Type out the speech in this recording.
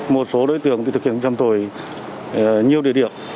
một số đối tượng thực hiện trầm tồi nhiều địa điểm